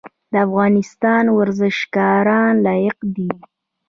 د افغانستان ورزشکاران لایق دي